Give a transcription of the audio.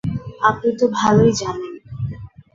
আপনি তো ভালোই জানেন।